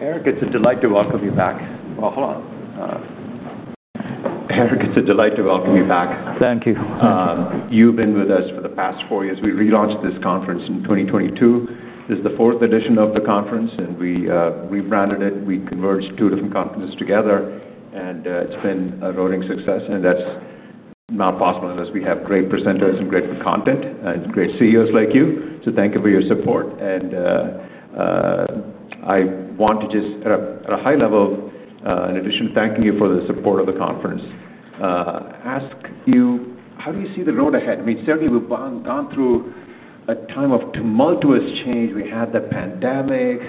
Eric, it's a delight to welcome you back. Hello. Eric, it's a delight to welcome you back. Thank you. You've been with us for the past four years. We relaunched this conference in 2022. This is the fourth edition of the conference, and we rebranded it. We converged two different conferences together, and it's been a roaring success. That's not possible unless we have great presenters, great content, and great CEOs like you. Thank you for your support. I want to just, at a high level, in addition to thanking you for the support of the conference, ask you, how do you see the road ahead? Certainly we've gone through a time of tumultuous change. We had the pandemic,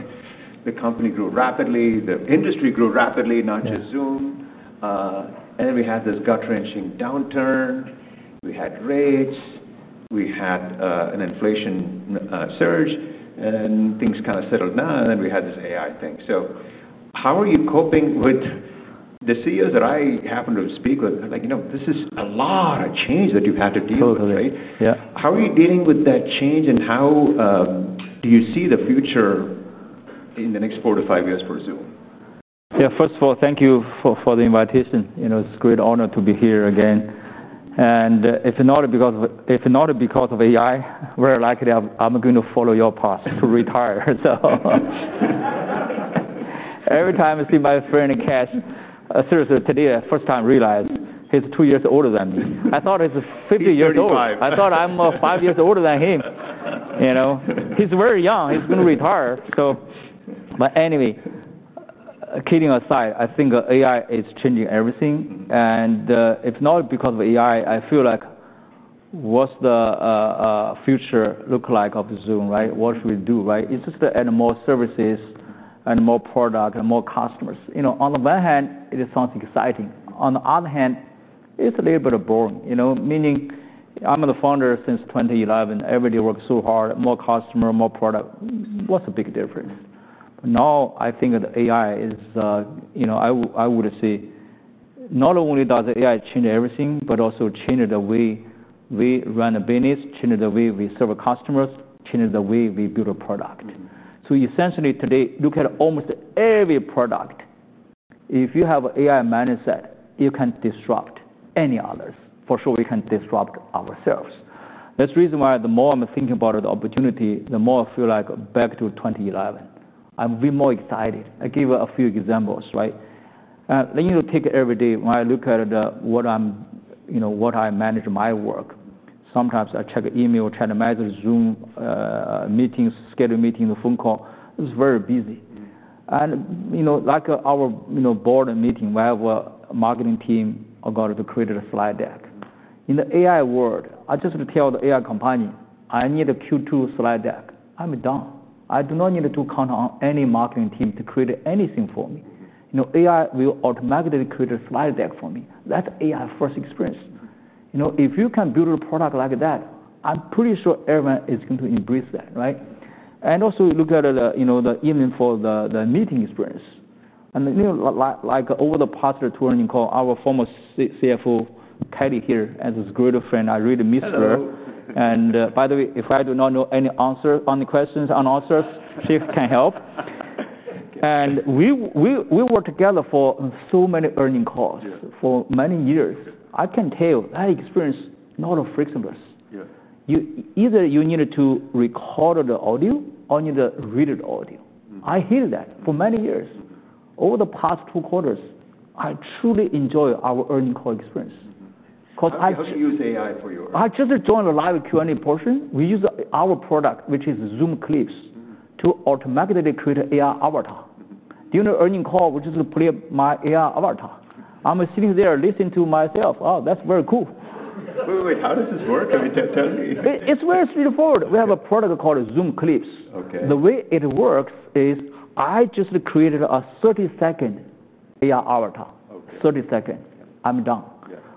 the company grew rapidly, the industry grew rapidly, not just Zoom. We had this gut-wrenching downturn. We had rage, we had an inflation surge, and things kind of settled down. We had this AI thing. How are you coping with the CEOs that I happen to speak with? This is a lot of change that you've had to deal with, right? Yeah. How are you dealing with that change, and how do you see the future in the next four to five years for Zoom? Yeah, first of all, thank you for the invitation. It's a great honor to be here again. If it's not because of AI, very likely I'm going to follow your path to retire. Every time I see my friend in cash, seriously, today, the first time I realized he's two years older than me. I thought he's 50 years old. I thought I'm five years older than him. He's very young. He's going to retire. Kidding aside, I think AI is changing everything. If not because of AI, I feel like, what's the future look like of Zoom, right? What should we do, right? It's just to add more services and more products and more customers. On the one hand, it is something exciting. On the other hand, it's a little bit boring. Meaning I'm the founder since 2011. Every day works so hard. More customers, more products. What's the big difference? Now I think the AI is, I would say not only does the AI change everything, but also changes the way we run a business, changes the way we serve our customers, changes the way we build a product. Essentially today, look at almost every product. If you have an AI mindset, you can disrupt any others. For sure, we can disrupt ourselves. That's the reason why the more I'm thinking about the opportunity, the more I feel like back to 2011. I'm a bit more excited. I give a few examples, right? You take it every day. When I look at what I manage my work, sometimes I check email, chat message, Zoom meetings, scheduled meetings, phone calls. It's very busy. Like our board meeting, we have a marketing team that created a slide deck. In the AI world, I just tell the AI Companion, I need a Q2 slide deck. I'm done. I do not need to count on any marketing team to create anything for me. No, AI will automatically create a slide deck for me. That's AI-first experience. If you can build a product like that, I'm pretty sure everyone is going to embrace that, right? Also look at it, the evening for the meeting experience. Over the past earnings call, our former CFO, Kelly Steckelberg, here as a great friend, I really miss her. By the way, if I do not know any answer on the questions, unanswered, she can help. We worked together for so many earnings calls for many years. I can tell that I experienced a lot of flexibility. Either you need to record the audio or you need to read the audio. I hated that for many years. Over the past two quarters, I truly enjoy our earnings call experience. How do you use AI for your earnings calls? I just joined the live Q&A portion. We use our product, which is Zoom Clips, to automatically create an AI avatar. During the earnings call, we just play my AI avatar. I'm sitting there listening to myself. Oh, that's very cool. Wait, wait, wait! How does this work? Tell me. It's very straightforward. We have a product called Zoom Clips. The way it works is I just created a 30-second AI avatar. Thirty seconds. I'm done.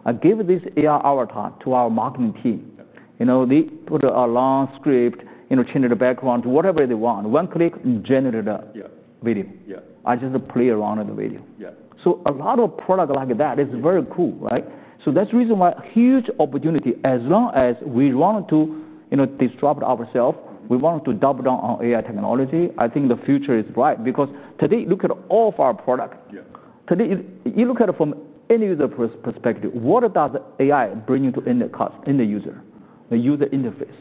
I give this AI avatar to our marketing team. They put a long script, change the background to whatever they want. One click, generate a video. I just play around with the video. A lot of products like that are very cool, right? That's the reason why a huge opportunity, as long as we want to disrupt ourselves, we want to double down on AI technology. I think the future is bright because today, look at all of our products. Today, you look at it from any user perspective. What does AI bring you to the end user? The user interface.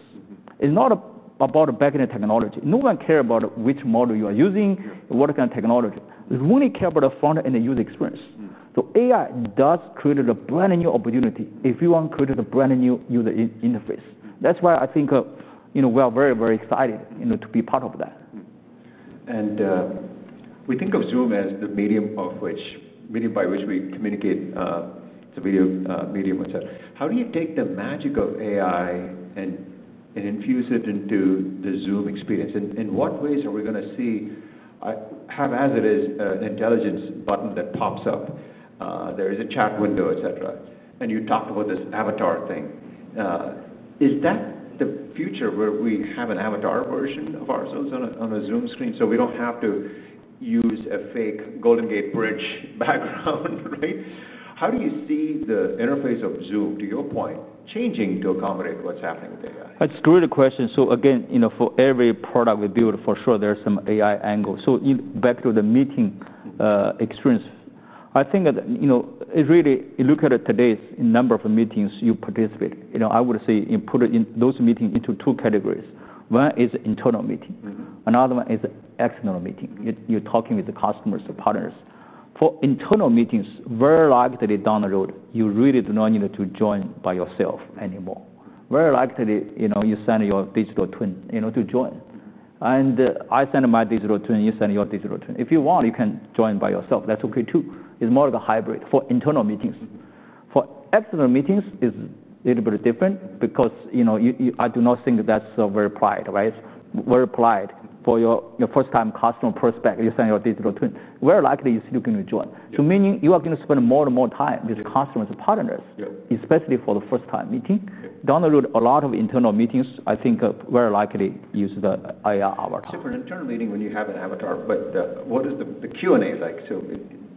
It's not about the backend technology. No one cares about which model you are using, what kind of technology. We only care about the front-end user experience. AI does create a brand new opportunity if you want to create a brand new user interface. That's why I think we are very, very excited to be part of that. We think of Zoom as the medium by which we communicate, the video medium. How do you take the magic of AI and infuse it into the Zoom experience? In what ways are we going to see, I have as it is, an intelligence button that pops up? There is a chat window, etc. You talked about this avatar thing. Is that the future where we have an avatar version of ourselves on a Zoom screen so we don't have to use a fake Golden Gate Bridge background, right? How do you see the interface of Zoom, to your point, changing to accommodate what's happening with AI? That's a great question. For every product we build, for sure there's some AI angle. Back to the meeting experience, I think that you really look at it today, the number of meetings you participate in. I would say you put those meetings into two categories. One is internal meeting, another one is external meeting. You're talking with the customers or partners. For internal meetings, very likely down the road, you really do not need to join by yourself anymore. Very likely, you send your digital twin to join. I send my digital twin, you send your digital twin. If you want, you can join by yourself. That's okay too. It's more of a hybrid for internal meetings. For external meetings, it's a little bit different because I do not think that's very appropriate, right? Very appropriate for your first-time customer prospect. You send your digital twin. Very likely you're still going to join. Meaning you are going to spend more and more time with customers and partners, especially for the first-time meeting. Down the road, a lot of internal meetings, I think very likely use the AI avatar. For an internal meeting, when you have an avatar, what is the Q&A like?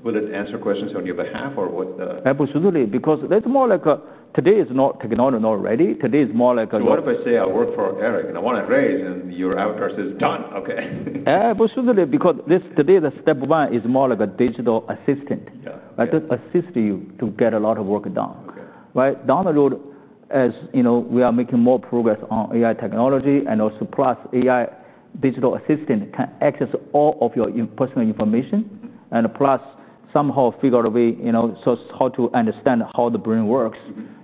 Will it answer questions on your behalf or what? Absolutely, because that's more like a, today is not technology not ready. Today is more like a... If I say I work for Eric and I want a raise and your avatar says done, okay? Absolutely, because today the step one is more like a digital assistant. It assists you to get a lot of work done, right? Down the road, as you know, we are making more progress on AI technology, and also plus AI digital assistant can access all of your personal information and plus somehow figure out a way, you know, so it's hard to understand how the brain works.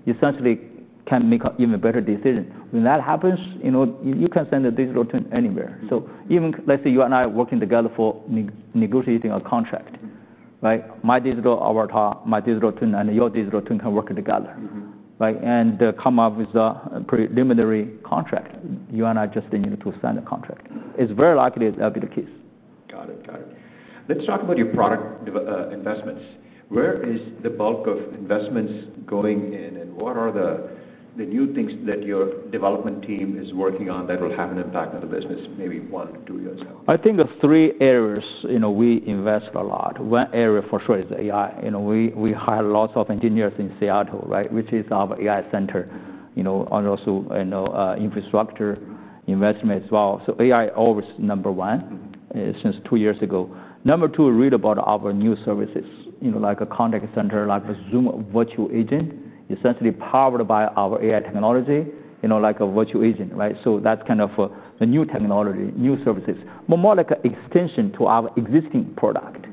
Essentially, it can make an even better decision. When that happens, you can send the digital twin anywhere. Even let's say you and I are working together for negotiating a contract, right? My digital avatar, my digital twin, and your digital twin can work together, right, and come up with a preliminary contract. You and I just need to sign the contract. It's very likely that'll be the case. Got it. Let's talk about your product investments. Where is the bulk of investments going in, and what are the new things that your development team is working on that will have an impact on the business maybe one to two years out? I think of three areas, you know, we invest a lot. One area for sure is the AI. You know, we hire lots of engineers in Seattle, right, which is our AI center, you know, and also infrastructure investment as well. AI is always number one since two years ago. Number two, read about our new services, you know, like a contact center, like a Zoom Virtual Agent, essentially powered by our AI technology, you know, like a virtual agent, right? That's kind of the new technology, new services, more like an extension to our existing product,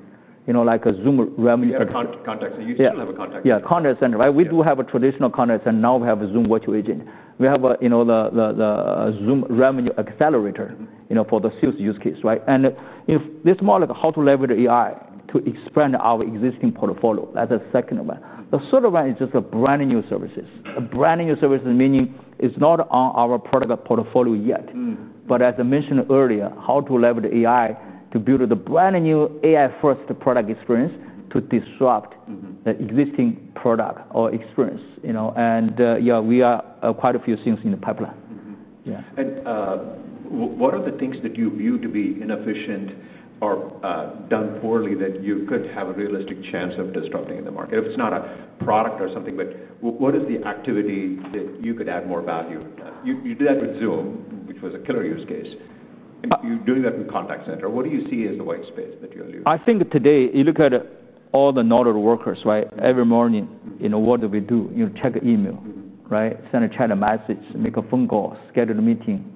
you know, like a Zoom Revenue Accelerator. Contact center. You still have a contact center. Yeah, contact center, right? We do have a traditional contact center. Now we have a Zoom Virtual Agent. We have the Zoom Revenue Accelerator, you know, for the sales use case, right? It's more like how to leverage AI to expand our existing portfolio. That's the second one. The third one is just brand new services. Brand new services meaning it's not on our product portfolio yet. As I mentioned earlier, how to leverage AI to build the brand new AI-first product experience to disrupt the existing product or experience, you know, and yeah, we have quite a few things in the pipeline. Yeah. What are the things that you view to be inefficient or done poorly that you could have a realistic chance of disrupting in the market? If it's not a product or something, what is the activity that you could add more value? You do that with Zoom, which was a killer use case. You're doing that with contact center. What do you see as the white space that you're doing? I think today you look at all the knowledge workers, right? Every morning, you know, what do we do? You know, check an email, right? Send a chat message, make a phone call, schedule a meeting,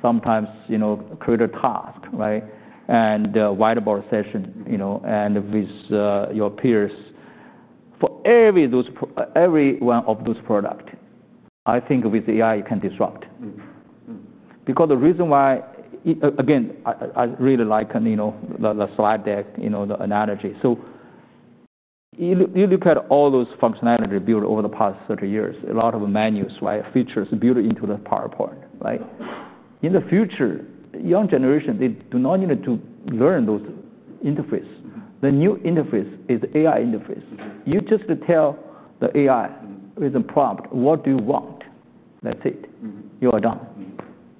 sometimes, you know, create a task, right? And a whiteboard session, you know, with your peers. For every one of those products, I think with AI you can disrupt. The reason why, again, I really like, you know, the slide deck, you know, the analogy. You look at all those functionalities built over the past 30 years, a lot of menus, right, features built into the PowerPoint, right? In the future, the young generation, they do not need to learn those interfaces. The new interface is the AI interface. You just tell the AI with a prompt, what do you want? That's it. You are done.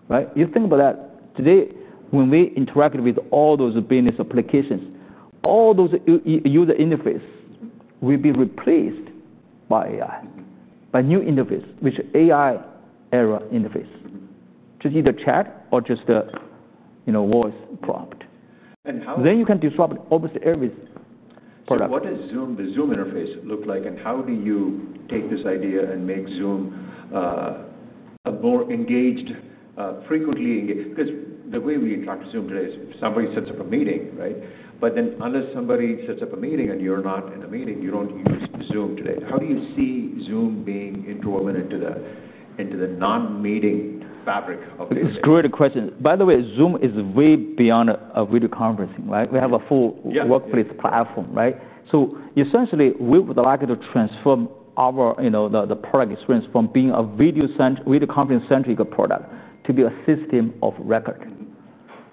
Right? You think about that. Today, when we interact with all those business applications, all those user interfaces will be replaced by AI, by new interfaces, which are AI-era interfaces. Just either chat or just a, you know, voice prompt. Then you can disrupt almost every product. What does the Zoom interface look like, and how do you take this idea and make Zoom a more engaged, frequently engaged platform? The way we talk to Zoom today is somebody sets up a meeting, right? Unless somebody sets up a meeting and you're not in the meeting, you don't use Zoom today. How do you see Zoom being into the non-meeting fabric of this? It's a great question. By the way, Zoom is way beyond video conferencing, right? We have a full workplace platform, right? Essentially, we would like to transform our, you know, the product experience from being a video conference-centric product to be a system of record.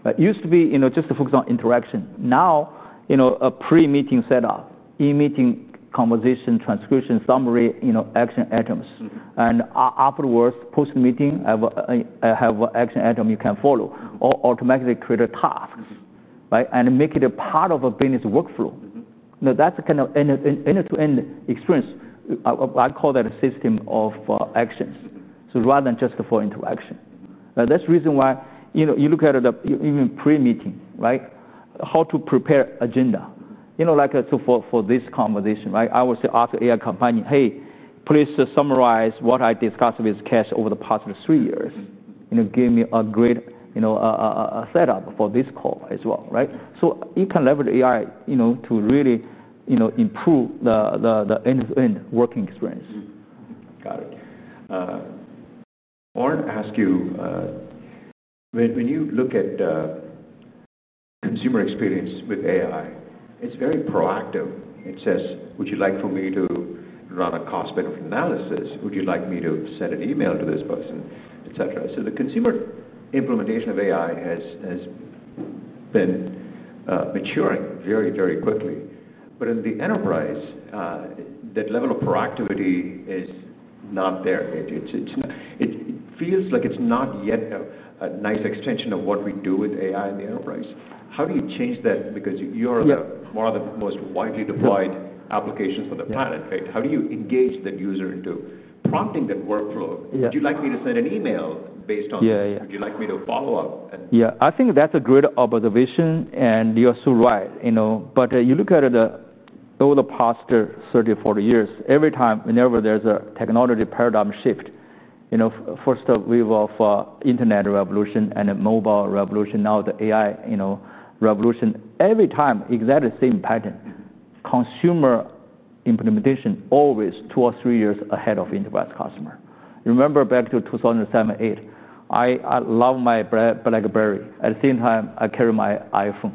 It used to be, you know, just to focus on interaction. Now, you know, a pre-meeting setup, e-meeting, conversation, transcription, summary, you know, action items. Afterwards, post-meeting, I have an action item you can follow or automatically create a task, right? Make it a part of a business workflow. Now that's a kind of end-to-end experience. I call that a system of actions. Rather than just for interaction. That's the reason why, you know, you look at it even pre-meeting, right? How to prepare an agenda. You know, like for this conversation, right? I will say after the AI Companion, hey, please summarize what I discussed with Kesh over the past three years. You know, give me a great, you know, a setup for this call as well, right? You can leverage AI, you know, to really, you know, improve the end-to-end working experience. Got it. I wanted to ask you, when you look at consumer experience with AI, it's very proactive. It says, would you like for me to run a cost-benefit analysis? Would you like me to send an email to this person, etc.? The consumer implementation of AI has been maturing very, very quickly. In the enterprise, that level of proactivity is not there. It feels like it's not yet a nice extension of what we do with AI in the enterprise. How do you change that? You're one of the most widely deployed applications on the planet, right? How do you engage the user into prompting that workflow? Would you like me to send an email based on, would you like me to follow up? Yeah, I think that's a great observation and you're so right, you know, you look at it over the past 30 or 40 years, every time whenever there's a technology paradigm shift, first we were for the internet revolution and the mobile revolution, now the AI revolution, every time exactly the same pattern. Consumer implementation is always two or three years ahead of the enterprise customer. Remember back to 2007, 2008, I loved my BlackBerry. At the same time, I carried my iPhone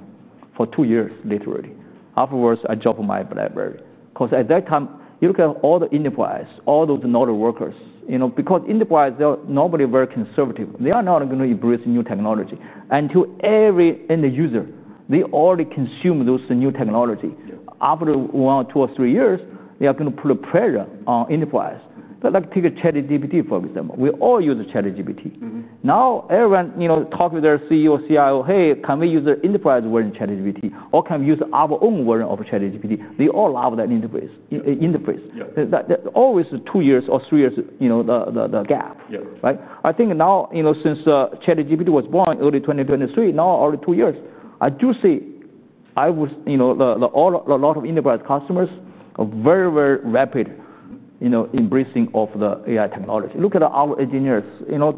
for two years, literally. Afterwards, I dropped my BlackBerry. Because at that time, you look at all the enterprise, all those not-at-workers, you know, because enterprise, they're normally very conservative. They are not going to embrace new technology. To every end user, they already consume those new technologies. After one, two, or three years, they are going to put pressure on enterprise. Take ChatGPT, for example. We all use ChatGPT. Now everyone talks with their CEO, CIO, hey, can we use the enterprise version of ChatGPT or can we use our own version of ChatGPT? They all love that interface. It's always two years or three years, the gap. Right? I think now, since ChatGPT was born in early 2023, now only two years, I do see a lot of enterprise customers are very, very rapid, embracing of the AI technology. Look at our engineers.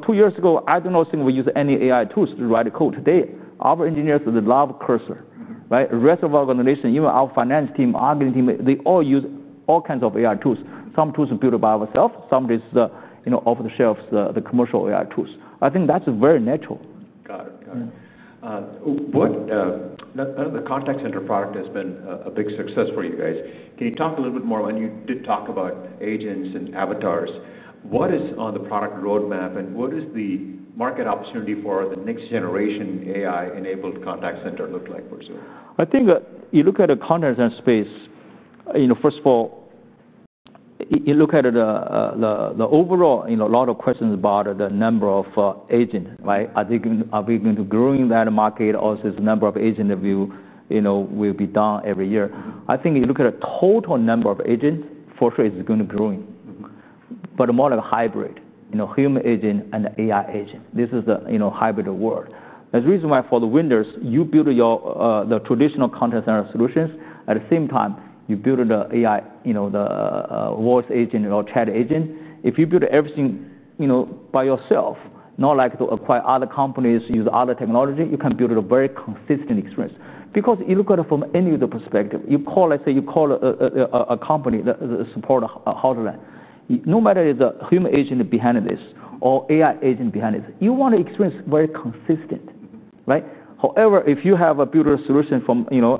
Two years ago, I do not think we used any AI tools to write code. Today, our engineers love cursor. The rest of our organization, even our finance team, marketing team, they all use all kinds of AI tools. Some tools are built by ourselves. Some are off-the-shelf, the commercial AI tools. I think that's very natural. Got it. Another contact center product has been a big success for you guys. Can you talk a little bit more? You did talk about agents and avatars. What is on the product roadmap and what does the market opportunity for the next generation AI-enabled contact center look like for Zoom? I think you look at the content space, you know, first of all, you look at the overall, you know, a lot of questions about the number of agents. Right? Are we going to grow in that market? Also, the number of agents will be down every year. I think you look at the total number of agents, for sure it's going to grow. More like a hybrid, you know, human agent and the AI agent. This is the, you know, hybrid world. That's the reason why for the Windows, you build your traditional contact center solutions. At the same time, you build the AI, you know, the voice agent or chat agent. If you build everything, you know, by yourself, not like to acquire other companies, use other technology, you can build a very consistent experience. You look at it from any other perspective. You call, let's say, you call a company, the support hotline. No matter the human agent behind this or AI agent behind it, you want to experience very consistent. Right? However, if you have a built solution from, you know,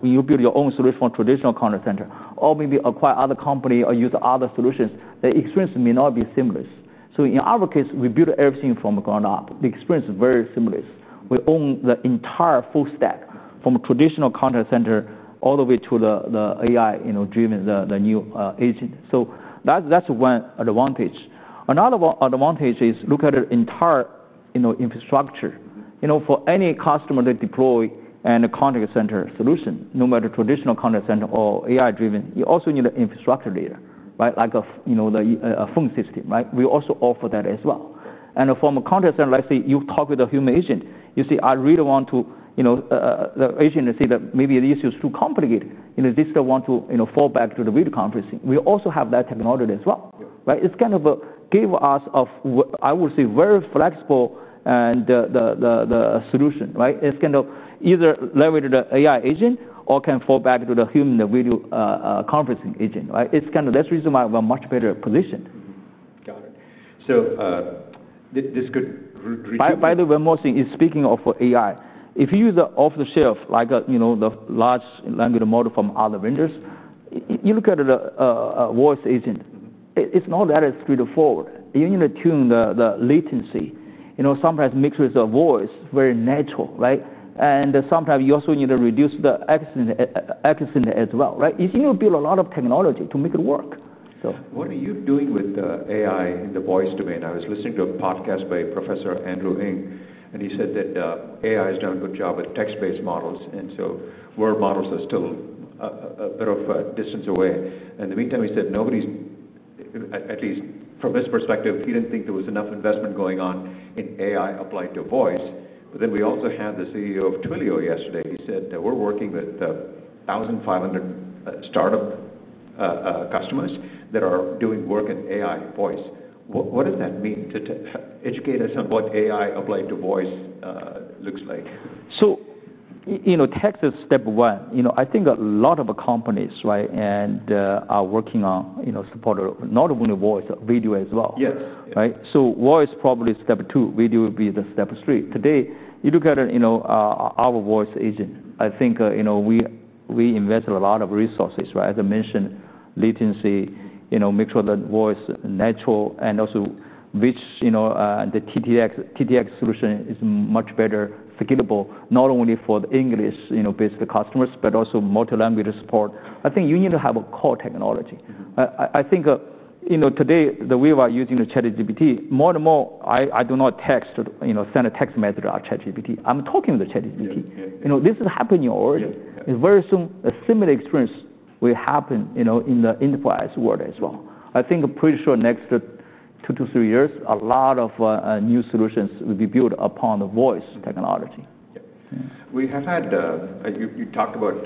when you build your own solution from a traditional contact center or maybe acquire other companies or use other solutions, the experience may not be seamless. In our case, we build everything from the ground up. The experience is very seamless. We own the entire full stack from a traditional contact center all the way to the AI, you know, driven the new agent. That's one advantage. Another advantage is look at the entire, you know, infrastructure. For any customer to deploy a contact center solution, no matter traditional contact center or AI-driven, you also need an infrastructure layer, right? Like a, you know, a phone system, right? We also offer that as well. From a contact center, let's say you talk with a human agent. You say, I really want to, you know, the agent says that maybe the issue is too complicated. They still want to, you know, fall back to the video conferencing. We also have that technology as well. It's kind of given us, I would say, a very flexible solution. It's kind of either leverage the AI agent or can fall back to the human video conferencing agent. That's the reason why we're in a much better position. customers and really differentiate Zoom from competitors. By the way, one more thing is, speaking of AI, if you use the off-the-shelf, like a, you know, the large language model from other vendors, you look at a voice agent. It's not that straightforward. You need to tune the latency. Sometimes mix with the voice, very natural, right? Sometimes you also need to reduce the accent as well, right? You need to build a lot of technology to make it work. What are you doing with the AI in the voice domain? I was listening to a podcast by Professor Andrew Ng, and he said that AI has done a good job with text-based models, and word models are still a bit of a distance away. In the meantime, he said nobody's, at least from his perspective, he didn't think there was enough investment going on in AI applied to voice. We also had the CEO of Twilio yesterday. He said that we're working with 1,500 startup customers that are doing work in AI voice. What does that mean? Educate us on what AI applied to voice looks like. Text is step one. I think a lot of companies are working on supporting not only voice, but video as well. Yes. Right? Voice is probably step two. Video would be step three. Today, you look at it, our voice agent. I think we invested a lot of resources, as I mentioned, latency, make sure that voice is natural and also rich, and the TTX solution is much better scalable, not only for the English basic customers, but also multi-language support. I think you need to have a core technology. Today we are using the ChatGPT. More and more, I do not text, send a text message to ChatGPT. I'm talking to ChatGPT. This is happening already. Very soon, a similar experience will happen in the enterprise world as well. I'm pretty sure in the next two to three years, a lot of new solutions will be built upon the voice technology. We have had, you talked about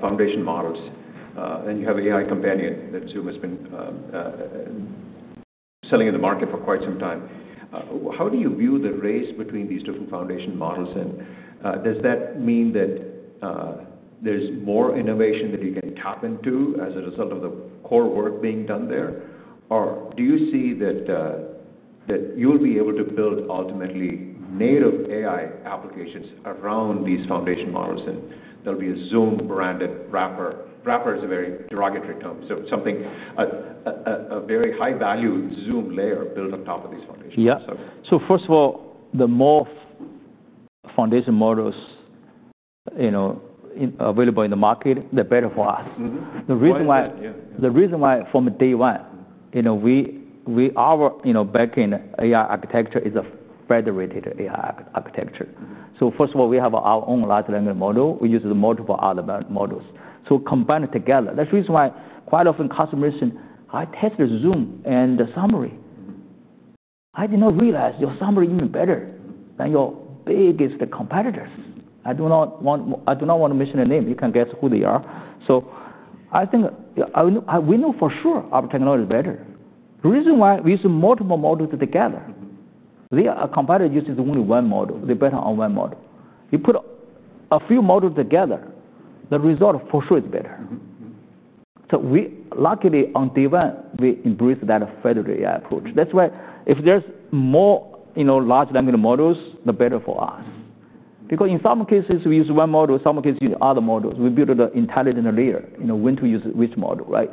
foundation models, and you have an AI Companion that Zoom has been selling in the market for quite some time. How do you view the race between these different foundation models? Does that mean that there's more innovation that you're getting tapped into as a result of the core work being done there? Do you see that you'll be able to build ultimately native AI applications around these foundation models? There will be a Zoom branded wrapper. Wrapper is a very derogatory term, so something, a very high-value Zoom layer built on top of these foundations. First of all, the more foundation models available in the market, the better for us. The reason why from day one, our backend AI architecture is a federated AI architecture. We have our own large language model. We use multiple other models and combine them together. That's the reason why quite often customers say, I tested Zoom and the summary. I did not realize your summary is even better than your biggest competitors. I do not want to mention their name. You can guess who they are. We know for sure our technology is better. The reason why is we use multiple models together. A competitor uses only one model. They're better on one model. You put a few models together, the result for sure is better. Luckily, on day one, we embraced that federated AI approach. That's why if there are more large language models, the better for us. Because in some cases, we use one model. In some cases, we use other models. We build an intelligent layer to know when to use which model, right?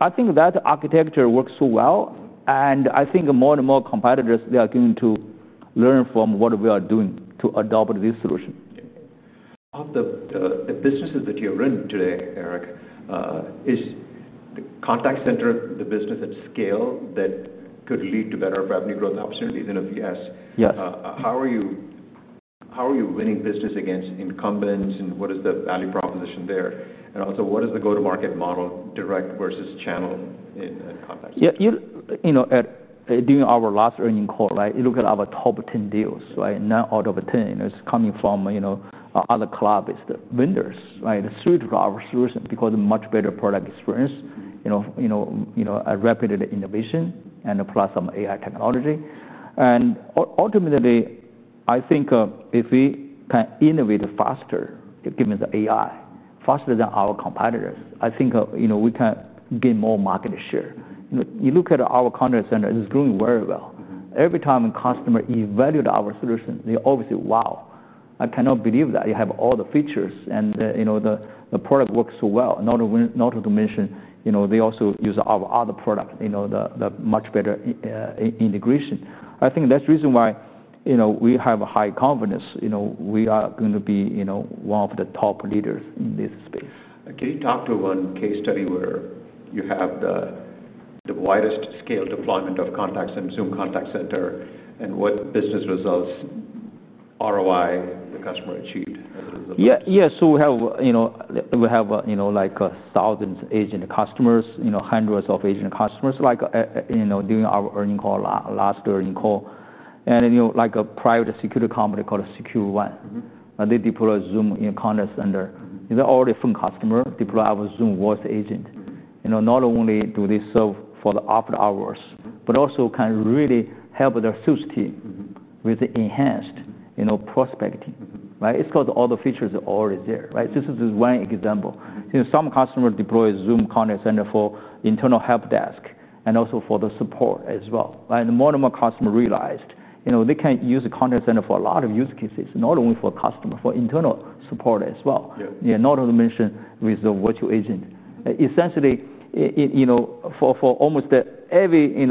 I think that architecture works so well. I think more and more competitors are going to learn from what we are doing to adopt this solution. Of the businesses that you're running today, Eric, is the contact center the business at scale that could lead to better revenue growth opportunities in the U.S.? Yes. How are you winning business against incumbents? What is the value proposition there? Also, what is the go-to-market model, direct versus channel in contact? Yeah, during our last earnings call, you look at our top 10 deals, nine out of 10 is coming from other cloud vendors through our solution because of a much better product experience, rapid innovation, and plus some AI technology. Ultimately, I think if we can innovate faster, given the AI, faster than our competitors, I think we can gain more market share. You look at our contact center, it's doing very well. Every time a customer evaluates our solution, they always say, wow, I cannot believe that you have all the features and the product works so well. Not to mention, they also use our other products, the much better integration. I think that's the reason why we have high confidence we are going to be one of the top leaders in this space. Can you talk to one case study where you have the widest scale deployment of Zoom Contact Center, and what business results, ROI, the customer achieved? Yeah, we have thousands of agent customers, hundreds of agent customers, like during our last earning call. A private security company called SecureOne deployed a Zoom Contact Center. They're already a phone customer, deployed our Zoom voice agent. Not only do they serve for the after-hours, but also can really help their sales team with enhanced prospecting. It's got all the features already there. This is just one example. Some customers deploy Zoom Contact Center for internal help desk and also for the support as well. More and more customers realized they can use a contact center for a lot of use cases, not only for customers, for internal support as well. Not to mention with the virtual agent. Essentially, for almost every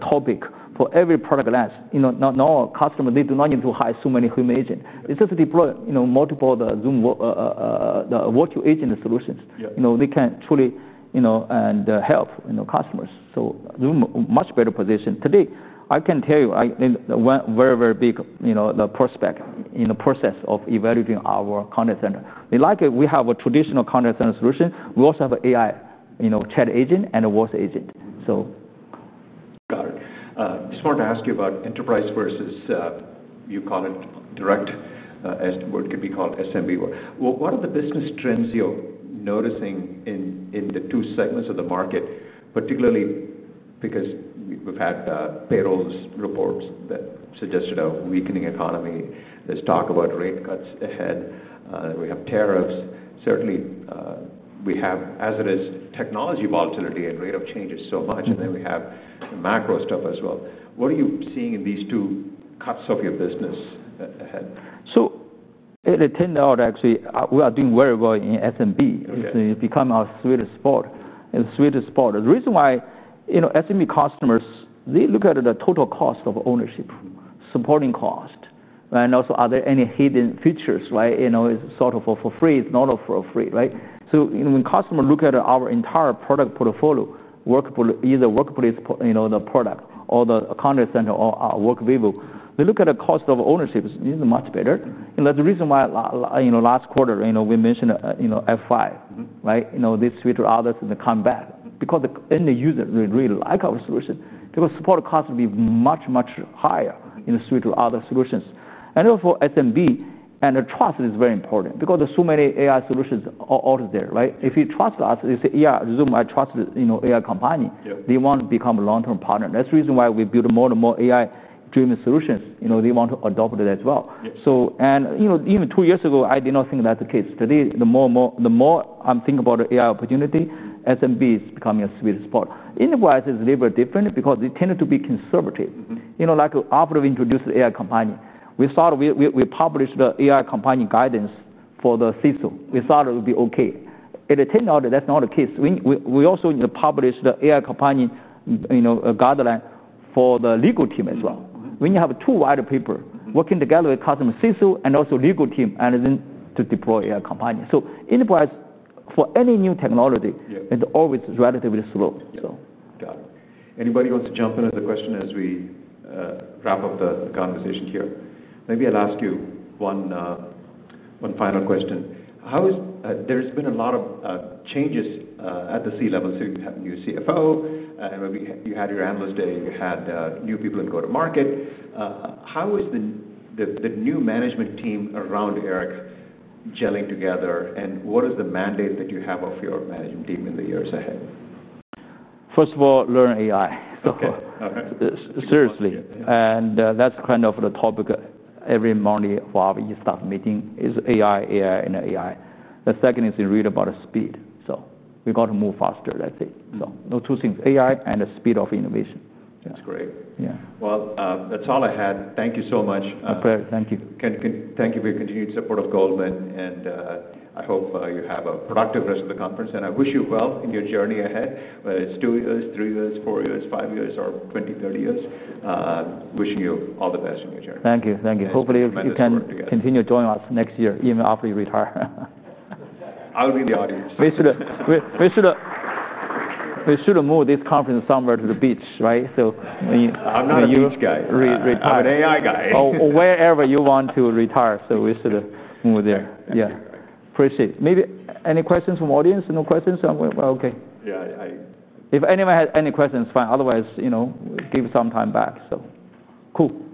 topic for every product line, not all customers, they do not need to hire so many human agents. It's just to deploy multiple Zoom Virtual Agent solutions. They can truly help customers. Zoom is in a much better position. Today, I can tell you, I think the one very, very big prospect in the process of evaluating our contact center. They like it. We have a traditional contact center solution. We also have an AI chat agent and a voice agent. Got it. I just wanted to ask you about enterprise versus, you called it direct, as what could be called SMB work. What are the business trends you're noticing in the two segments of the market, particularly because we've had payrolls reports that suggested a weakening economy? There's talk about rate cuts ahead. We have tariffs. Certainly, we have, as it is, technology volatility and rate of change is so much. We have the macro stuff as well. What are you seeing in these two cuts of your business ahead? It turned out, actually, we are doing very well in SMB. It's become our sweet spot. The sweet spot. The reason why, you know, SMB customers, they look at the total cost of ownership, supporting cost. Also, are there any hidden features? Right? You know, it's sort of for free, it's not for free, right? When customers look at our entire product portfolio, either Zoom Workplace, you know, the product or the Zoom Contact Center or our Workvivo, they look at the cost of ownership. It's much better. That's the reason why, last quarter, you know, we mentioned, you know, F5, right? They switch to others and they come back because the end users really like our solution because support costs will be much, much higher in the suite of other solutions. Therefore, SMB and the trust is very important because there are so many AI solutions out there, right? If you trust us, you say, yeah, Zoom, I trust, you know, AI company, they want to become a long-term partner. That's the reason why we build more and more AI-driven solutions. You know, they want to adopt it as well. Even two years ago, I did not think that's the case. Today, the more and more, the more I'm thinking about the AI opportunity, SMB is becoming a sweet spot. Enterprise is a little bit different because they tend to be conservative. Like after we introduced the AI Companion, we started, we published the AI Companion guidance for the CISO. It started to be okay. It turned out that that's not the case. We also published the AI Companion guideline for the legal team as well. When you have two wide people working together with customers, CISO and also legal team, and then to deploy AI Companion. Enterprise, for any new technology, it's always relatively slow. Got it. Anybody wants to jump in as a question as we wrap up the conversation here? Maybe I'll ask you one final question. There has been a lot of changes at the C-level. You have a new CFO, and you had your analyst day, you had new people in go-to-market. How is the new management team around Eric gelling together? What is the mandate that you have off your management team in the years ahead? First of all, learn AI. Okay, seriously. That's kind of the topic every Monday while we start meeting: AI, AI, and AI. The second is to read about the speed. We got to move faster, that's it. Those two things, AI and the speed of innovation. That's great. That's all I had. Thank you so much. My pleasure. Thank you. Thank you for your continued support of Goldman Sachs. I hope you have a productive rest of the conference. I wish you well in your journey ahead, whether it's two years, three years, four years, five years, or 20, 30 years. Wishing you all the best in your journey. Thank you. Thank you. Hopefully, you can continue joining us next year, even after you retire. I'll be the audience. We should have moved this conference somewhere to the beach, right? I'm not a beach guy. I'm an AI guy. Wherever you want to retire. We should move there. Appreciate it. Maybe any questions from the audience? No questions? Okay. Yeah, I. If anyone has any questions, it's fine. Otherwise, you know, give some time back.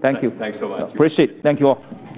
Thank you. Thanks so much. Appreciate it. Thank you all.